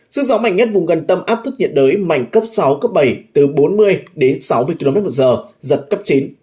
số gió mảnh nhất vụ gần tâm áp thấp nhiệt đới mảnh cấp sáu cấp bảy từ bốn mươi đến sáu mươi km giật cấp chín